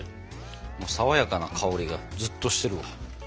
爽やかな香りがずっとしてる。